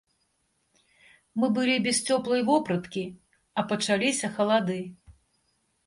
Мы былі без цёплай вопраткі, а пачаліся халады.